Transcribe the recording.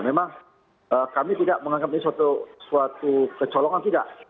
memang kami tidak menganggap ini suatu kecolongan tidak